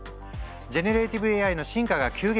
ジェネレーティブＡＩの進化が急激に進み